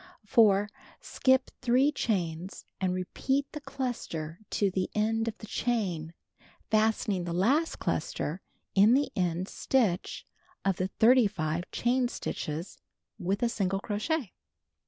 4. Skip 3 chains and repeat the cluster to the end of the chain, fastening the last cluster in the end stitch of the 35 chain stitches with a single crochet.